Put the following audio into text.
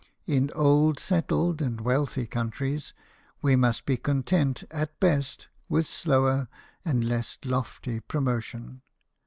In old settled and wealthy countries we must be content, at best, with slower and less lofty promotion.